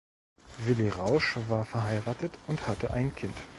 Willi Rausch war verheiratet und hatte ein Kind.